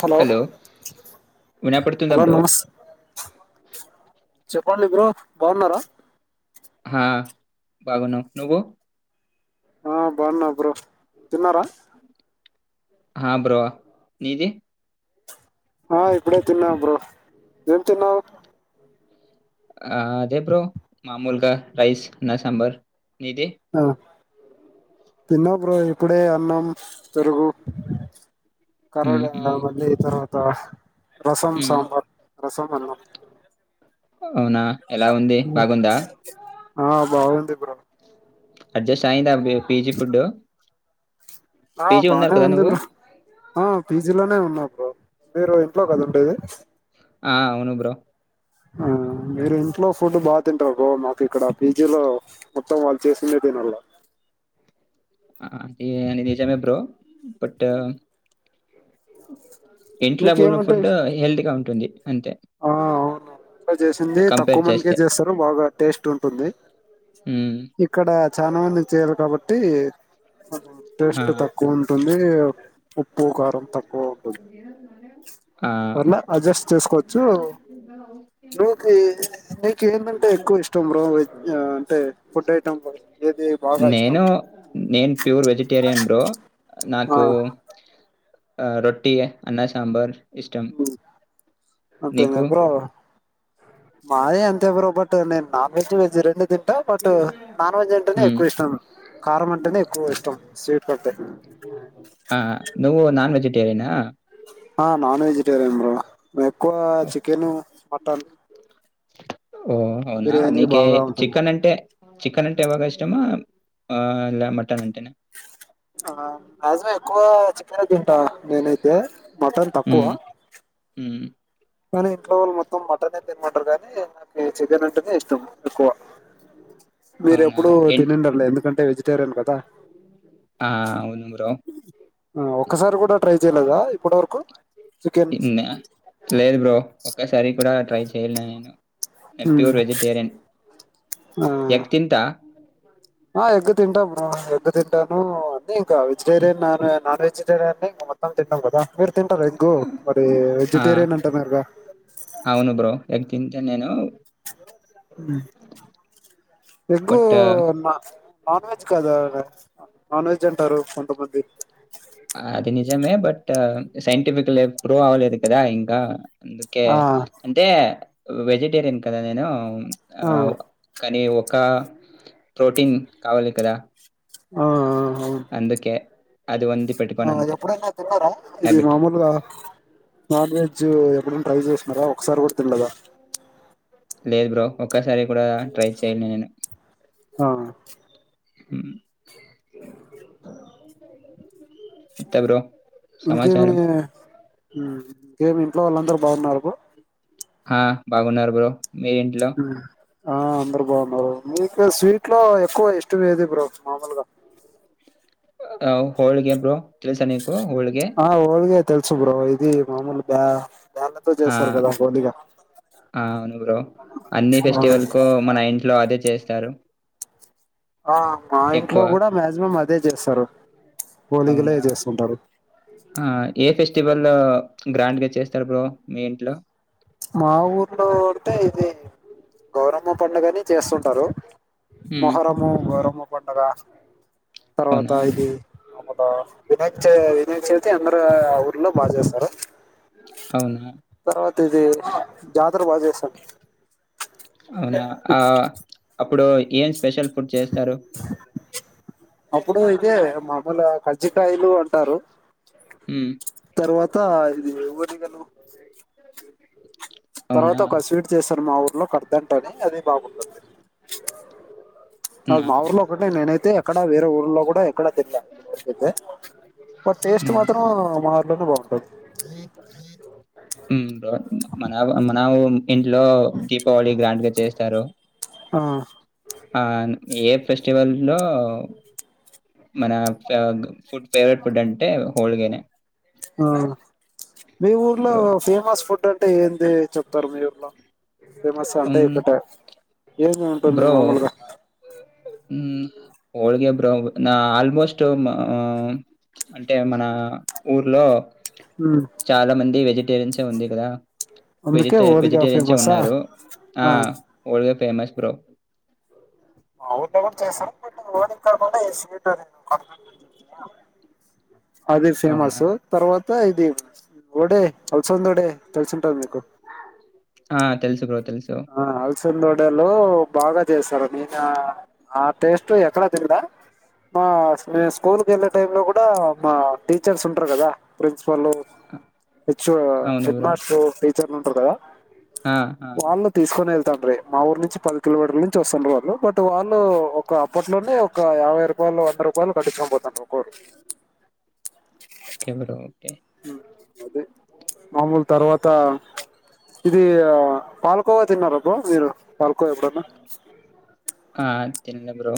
Hello వినపడుతుందా hello bro? నమస్తే చెప్పండి ఇ బ్రో బాగున్నారా హా బగున నువు ఆ బాగున్నా బ్రో తిన్నారా ఆ బ్రో నీది ఆ ఇప్పుడే తిన్నావు బ్రో ఏం తిన్నావు ఆ అదే బ్రో మామూలుగా రైస్ నా సాంబార్ నిది తిన్న బ్రో ఇప్పుడే అన్నం పెరుగు కరడ హ్మ్. హ్మ్. మళ్ళీ తరువాత త రసం హ్మ్. సాబార్ రసం ఎన్న అవునా ఎలా ఉంది బాగుందా ఆ బాగుంది ఇ బ్ర అడ్జస్ట్ అయిందా పీజీ ఫుడ్ ఆ పేజీ ఉన్నారు బానే కదా ఉంది నువ్వు బ్రో ఆ పీజీ లోనే ఉన్నా బ్రో మీరు ఇంట్లో కద ఉండేది ఆ అవును బ్రో ఆ మీరు ఇంట్లో ఫుడ్ బాగా తింటారు బ్రోమాకు ఇక్కడ పీజీలో మొత్తం వాళ్ళు చేసిండే తనిల్ల అనిజమ బ్రో బట్ ఇంట్లో బడిన మీకేమంటే ఫుడ్ ఇష్టం హెల్తీ గా ఉంటుంది. అంతే ఆ! అవును. ఇంట్లో చేసింది కంపేర్ తక్కువ మందికే చేస్తే. చేస్తారు బాగా టేస్ట్ ఉంటుంది హ్మ్. ఇక్కడ. చాలా మంది చేయరు కాబట్టి ఆ! టేస్ట్ తక్కువ ఉంటుంది ఉప్పు కా తక్కువ ఉంటుంది ఆ! ఎన్న అడ్జస్ట్ చేసుకోవచ్చు బోకి నీకు ఏంటంటే ఎక్కువ ఇష్టం బ్రో వెజ్ అంటే ఫుడ్ ఐటమ్ ఏది బాగా ఇష్టం? నేను నేను ప్యూర్ వెజిటేరియన్ బ్రో ఆ! నాకు రోట్టి అన్నా సాంబర్ అంతేనా బ్రో మాయ అంత ఇవ్ర బట్ నను నాన్ వెజ్ వెజ్ రెండు తింట బట్ నాన్ వెజ్ అంటేనే ఉమ్, ఎక్కువ ఇష్టం కారం అంటేనే ఎక్కువ ఇష్టం స్వీట్ కంటే టేరినా ఆ నాన్ వెజిటేరియన్ బ్రో మెక్కువ ఓకే చికెను టన్ ఓ అవునా నీకే బాగా ఉంటుంది చికన్ అంటే చికెన్ అంటే ఎవగా ఇష్టమా మటన్ అంటేనా ఆ మాజ్మా ఎక్కువ చికెన్ తింటా నేనైతే మటన్ తక్కువ హ్మ్ హ్మ్ కానీ ఇంట్లో వాళ్లు మొత్తం మటన్ చికెన్ మటర్ కాగానీ నాకు చికెన్ అంటేనే ఇష్టం ఎక్కువ మీరు అవునా ఎప్పుడు ఏంటి తినిండర్లే ఎందుకంటే టేరియన్ కదా ఆ, అవును బ్రో ఒక్కసారి కూడా ట్రై చేయలేదా ఇప్పుటి వరకు చికెన్ తిన్న లేదు బ్రో ఒక్కసారి కూడా ట్రై చెయలే నేను ఉమ్, ప్యూర్ వెజిటేరియన్ ఆ ఎగ్ తింటా ఆ ఎగ్ అ ఇంకా ఉమ్, వెజటరియన్ నాన్ నాన్ వెజ్ వెజటేరియన్ని ని మొత్తం తింటావ్ కదా మీరు తింటారు ఎగ్గు మరి ఆ, వెజిటేరియన్ అంటున్నారుగా ఎనెను ఎగ్ బట్ నా నాన్ వెజ్ కాద నాన్ వెజ్ అంటారు కొంతమంది అది నిజమే బట్ సైంటిఫికలి ప్రూవ్ అవ్వలేదు కదా ఇంకా అందుకే ఆ అంటే వెజిటేరియన్ కదా నేను ఆ కానీ ఒ ఒక ప్రోటీన్ కావాలి కదా ఆ అ అందుకే అది ఉంది పెట్టుకోను ఆ అంతే ఎప్పుడైనా తిన్నారా ఇది హ్యాబిట్. మామూలుగా నాన్ వెజ్ ఎప్పుడనా ట్రై చేస్తున్నారా ఒకసారి కూడా తిల్లదా లేదు బ్రో ఒక్కసారి కూడా ట్రై చేయడి నేను ఆ ఎంత బ్రో ఇంకేమి సమాచారం. ఏమి ఇంట్లో వాళ్ళందరూ బాగున్నారు హా బగునరు బ్రో మీరింట్లో ఆ అందరు బాగున్నారు మీకు స్వీట్ లో ఎక్కువ ఇష్టం ఏది బ్రో మామూలుగా ఆ హోళగ బ్రో తెల్సా నీకు హోళగ ఆ ఓలిగా తెలుసు బ్రో ఇది మామూలు బా ఆ అ అవును బ్రో అన్ని ఫెస్టివల్ కు మన ఇంట్లో అదే చేస్త చారు ఆ మా ఇంట్లో కూడా మ్యాక్సిమం అదే చేస్తారు పోలికలే అవునా చేస్తుంటారు స్వల్ గ్రాండ్ గా చేస్తారు బ్రో మీ ఇంట్లో మా ఊర్లోద ఇద గౌరమ్మ పండుగని చేస్తుంటారు. హ్మ్ మొహరము గరం పండదా తర్వాత అవునా ఇది అపుడు వినాయక్ వినాయక్ చవితి అందరు ఊర్లో బాగా చేస్తారు అవునా తర్వాతది జాతర బా చేస్తారు అవునా ఆ అప్పుడు ఎమ్స్ స్పెషల్ ఫుడ్ చేస్తారు అప్పుడు ఇదే మాములు కజ్జికాయలు అంటారు హ్మ్ తర్వాత ఇది ఒలిగలు తర్వాత అవునా ఒక స్వీట్ చేసి తరు మా ఊర్లో కడద్దంట అని అది బాగుంటుంది అ అవునా మా ఊర్లో ఒక్కడిని నేనైతే ఎక్కడ వేరే ఊర్లో కూడా ఎక్కడ తినలె ఇప్పటి వరకు అయితే హ్మ్ ఉ బ్రో మన మన ఇంట్లో దీపావళి గ్రాండ్ గా చేస్తారు ఆ ఆ ఏ ఫెస్టివల్ లో మన ఫె ఫుడ్ ఫేవరెట్ ఫుడ్ అంటే హోల్గానే హా మీ ఊర్లో బ్రో ఫేమస్ ఫుడ్ అంట్ టే ఏంద్ అదే చెప్తారు మీ ఊర్లో ఫేమస్ అంటే ఉమ్, ఇక్కట ఏమి ఉంటుంది మామూలుగా ఉమ్ హోల్గా బ్రో నా ఆల్మోస్ట్ హుమ్ ఆ అంటే మన ఆ ఊర్లో ఉమ్, చాలా మంది వెజిటేరియన్సే ఉంది కదా వెజి అందుకే ఓలిగా వెజిటేరియన్సే ఫేమసా ఉన్నారు ఆ వోల్గా ఫేమస్ బ్రో మా ఊల్లో కూడా చేస్తారు బట్ ఓలిగ కాకుండా ఏ స్వీట్ [inaudible] అది అవునా ఫేమసు తర్వాత్ టే ఇది వడే అల్సందొడే తెలిసి ఉంటాది మీక్ ఆ తెలుసు బ్రో తెలుసు ఆ అల్సంద వొడె లో బాగా చేస్తారు నేను అ ఆ టేస్ట్ ఎక్కడ తినలే ఆ స్కూల్కి వెళ్ళే టై లో కూడా మా టీచర్స్ ఉంటారు కదా ప్రిన్స్ పలు హెచు అవును బ్రో హెడ్మాస్టరు టీచ్ చెర్లుంటరు కదా ఆ ఆ కొని వెళ్తానిరి మా ఊరు నుంచి పది కిలోమీటర్ నుంచి వస్తారు వాళ్ళు బట్ వాళ్ళు అప్పట్లోనే ఒక యాభై రూపాయలు వంద రూపాయలు కట్టించుకోనిపోతాండ్రి ఒకోరు కెమెరా మామూలు తర్వాత ఇది పాల్కోవా తిన్నారా బ్రో మీరు పాల్కోవ ఎప్పుడన్నా ఆ తిన్న బ్రో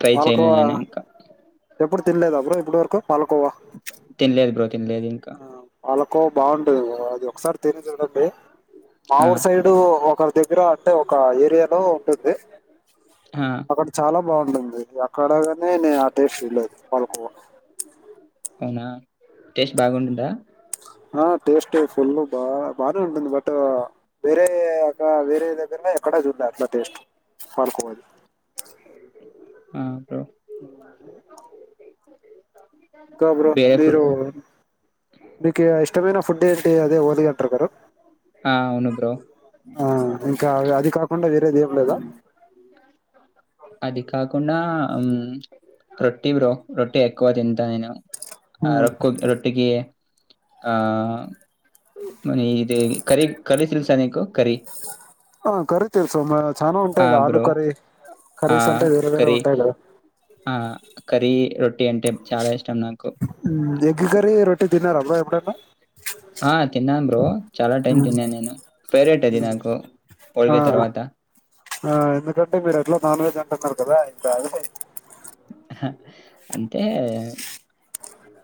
ట్రై చేయలే పాలకోవా నేను ఇంకా ఎప్పుడు తినలిలేదా బ్రో ఇపుడు వరకు పాలకోవా తినలేదు బ్రో తినలేదు ఇంకా ఆ పాలకోవ బాగుంటుంది బ్రో అది ఒ ఒకసారి తిని చూడండి మా ఆ ఊర్ సైడు ఒ ఒకరి దగ్గర అంటే ఒక ఏరియాలో ఉంటుంది. ఆ అక్కడ చాలా బాగుంటుంది అక్కడగానే నేను అ టే ఫీ లేదు పలుకో అనా టెస్ట్ బాగుంటుందా ఆ టేస్ట్ ఫుల్ బా బాగానే ఉంటుంది. బట్ వేరే అ వేరే దగ్గరలో ఎక్కడ చూన్నా అట్లా టేస్ట్ పాల్కోవదు. ఆ అ [inaudible] అ [inaudible] గ బ్రో వేరే ఫ్రూ మీరు వికే ఇష్టమైన ఫుడ్ ఏంటి అదే ఓదిగా అంటారు గ ఆ అవును బ్రో ఆ ఇంకా అది కాకుండా వేరేది ఏం లేదా అది కాకుండా రొట్టి బ్రో రొట్టటి ఎక్కువ తింట ఉమ్ రొ రొట్టకి ఆ మన ఇది కర కరి తెల్సా నీకు కర్రీ ఆ కరతర్ సోమ్ చనా ఉంటే ఆ ఇగ ఆలు బ్రో. కరి ఆ కరీస్ ఉంటే వేర బేర ఉంటా ఇ కదా కరీ రొట్ ఎగ్ కర రొటీటి తినన్నార అబ్బ ఎప్పుడన్నా ఆ తిన్నాను బ్రో చాలా టైమ్ ఉమ్ తిన్నాను నేను ఫేరేట్ అది నాకు ఆ హోల్గే తర్వాత తలా ఇంత అ అంటే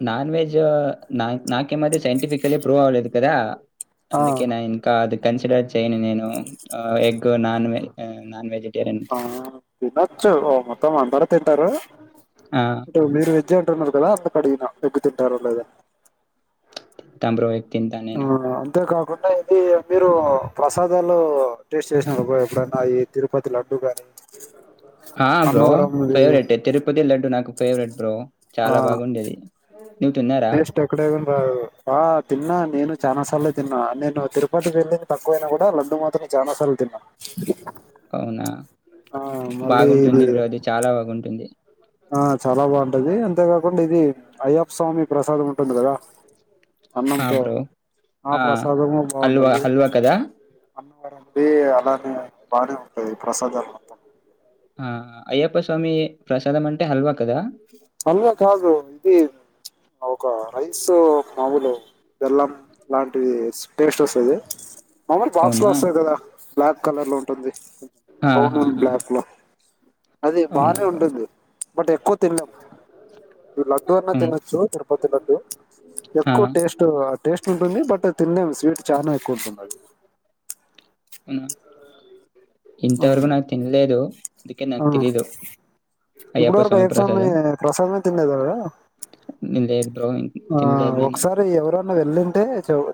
నాన్ వెజ్ నా నాకేమది సైంటిఫికలీ ప్రూవ్ అవ్వలేదు కదా ఆ అందుకే నా ఇన్కా అద కన్సిడర్ చేయను నేను egg non veg non veg ఆ తినొచ్చు మొత్తం అందార త ఆ! అ మీరు వెజ్ అంటున్నారు కదా అంత అడిగిన ఎగ్గు తింటారు లేదా తబ్రో ఎ తింతా నేను ఇన్నాది మీరు ప్రసాదాలు టేస్ట్ చేసినారు. ఎప్పుడన్నా ఈ తిరుపతి లడ్డు కానీ. ఆ బ్రో ఇది ఫేవరెట్ తిరుపతి లడు నాకు ఫేవరట్ బ్రో ఆ చాలా బాగుండేది. నువ్వు తిన్నారా? బేస్ ఎక్కడంద తిన్నా నేను చాలా సార్లు తిన్నా నేను తిరుపతికి వెళ్ళింది తక్కవ అయినా కూడా లడ్డు మాత్రం చాలనా సార్లు తిన్నా అవునా ఆ మళ్ళీ బాగుంటుంది ఇది బ్రో అది చాలా బాగుంటుంది ఆ చాలా బాగుంటది. అంతేకాకుండా ఇది అయ్యప్ప స్వామి ప్రసాదం ఉంటుంది కదా. ఆ! అన్నంతో బ్రో. ఆ ప్రసాదము హల్వా, బాగుంటది హల్వా కదా? అన్నం బే అలానే బాగానే ఉంటాది ప్రసాదాలు మొ ఆ అయ్యప్ప స్వామి ప్రసాదం అంటే హల్వా కదా అల్వా కాదు ఇది ఒక రైస్ మాముూలు బెల్లం లాంటివి టేస్ట్ వస్తది మములు బాక్స్ లో అవునా? వస్తది కదా బ్లాక్ కలర్ లో ఉంటుంది బ్రౌన్ అండ్ ఆహాహా! బ్లాక్ లో అది అవునా బానే బ్రో. ఉంటుంది బట్ ఎక్కువ తిన లడ్డూ అన్న అవును. తినొచ్చు తిరుపతి లడ్డు ఆ! ఎక్కువ టేస్ట్ టేస్ట్ ఉంటుంది బట్ తినలేను స్వీట్ చాలా ఎక్కువంటుంది అది ఉ నాకు అవు తెలీదు ఇప్పుటి వరకు అయ్యప్ప స్వామి ప్రసాదమే తినలేదా లేదు బ్రో ఇం- ఆ తినలేదు నేను ఒకసారి ఎవరన్నా వెళ్ళింటే చూడు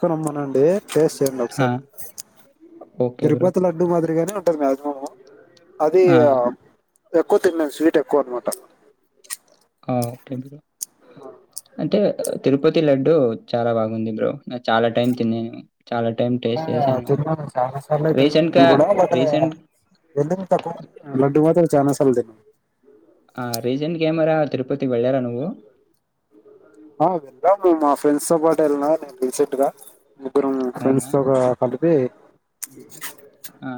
క్కనిమ్మనండి టేస్ట్ చేయండి ఆ! ఒకసారి ఓకే బ్రో. తిరుపతి లడ్డూ మాదిరిగానే ఉంటుంది మాక్సిమమ్ అది ఆ! ఎక్కువ తిన్ను స్వీట్ ఎక్కువ అనమాట ఆ! Okay bro. ఆ అంటే తిరుపతి లడ్డు చాలా బాగుంది బ్రో నా చాలా టైం తిన్నాను చాలా టైం టేస్ట్ చేశాను. తిన్నాను చాలా సార్లు అయి తిన్నాను నేను రీసెంట్‌గా కూడా లే రీసెంట్ వెంది తక్కువ లడ్డు మాద చాలా సార్లు తిన్న ఆ రీసెంట్ గా ఏమన్నా తిరుపతికి వెళ్ళారా నువ్వు ఆ వెళ్దాం మా ఫ్రెండ్స్ తో పాటు వెళ్ళిన నేను రీసెంట్ గా ఇద్దరం అవునా? ఫ్రెండ్స్ తో ఒక కలి పే ఆ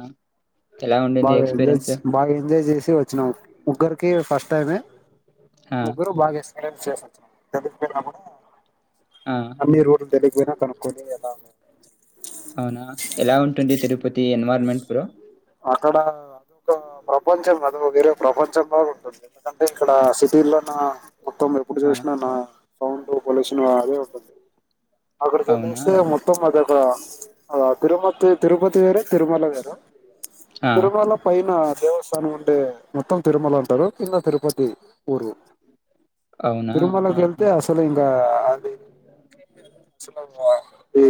ఎలా ఉండింది బాగా ఎంజ్ ఎక్స్‌పీరియన్స్? బాగా ఎంజాయ్ చే వచ్చినాం ముగ్గరికి ఫస్ట్ టైమే ఆ! ముగ్గురు బాగేస్తా చేసొచ్చ తెకుళ్ిన కూడా ఆ! అన్నీరు తెలికపోయినా కనుకోలే ఎలా అవునా ఎలా ఉంటుంది తిరుపతి ఎన్విరాన్మెంట్ బ్రో అక్కడ ఎదొ ఒక ప్రపంచం అదొ వేరే ప్రపంచం లా ఉంటుంది ఎందుకంటే ఇక్కడ సిటీల్లోన్న మొత్తం ఎప్పుడు ఆ! చూసినా నా సౌండ్ పొల్యూషన్ లాగే ఉంటుంది అవునా? అక్కడికెళ్లేస్తే మొత్తం అది ఒక ఆ తిరుమతి తిరుపతి వేరే తిరుమల వేరు ఆ! తిరుమల పైన దేవస్థానం అంటే మొత్తం తిరుమల అంటారు కింద తిరుపతి ఊరు అవునా? ఆహా! తిరుమలకెళ్తే అసలు ఇంక అది ఈ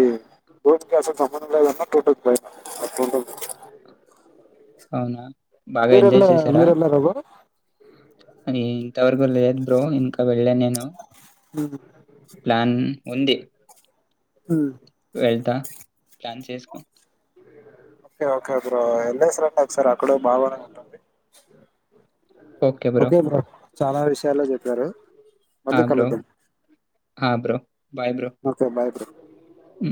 భూమికి అసలు సంబంధం లేదన్న ఉంటుంది పైన అట్లుంటుంది అవునా బాగా ఎంజాయ్ మీరెలార చేశారా? మీరెళ్లార బ్రో ఇంతవరకు లేద్ బ్రో ఇంకా వెళ్నే,, హు ప్లాన్ ఉంది హు వెళ్తా ప్లాన్ చేసుకొని ఓకే ఓకే బ్రో వెళ్లేసిరండి ఒకసారి అక్కడ బాగానే ఉంటుంది ఓకే బ్రో చాలా విషయాల్లో చెప్పారు మళ్ళీ కలుద్దాం హ బ్రో ఓకే బాయ్ బ్రో హు